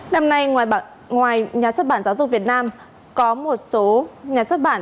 năm nay ngoài nhà xuất bản giáo dục việt nam có một số nhà xuất bản